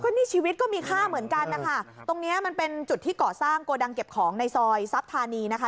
นี่ชีวิตก็มีค่าเหมือนกันนะคะตรงเนี้ยมันเป็นจุดที่ก่อสร้างโกดังเก็บของในซอยทรัพย์ธานีนะคะ